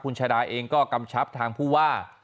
คุณชาดาเองก็กำชับทางผู้ว่า